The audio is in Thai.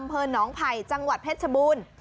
อัมเพิร์นนไพรจังหวัดเพชรบูรณ์